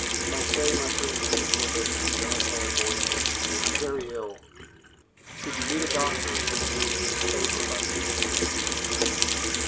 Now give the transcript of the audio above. "Planchet, my friend," said Porthos, in a melancholy voice, "I am very ill; should you meet a doctor you will do me a favor by sending him to me."